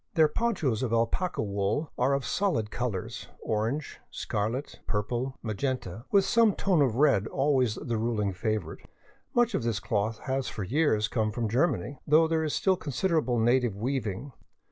Their ponchos of alpaca wool are. of solid colors, — orange, scarlet, purple, magenta — with some tone of red always the ruling favorite. Much of this cloth has for years come from Ger many, though there is still considerable native weaving.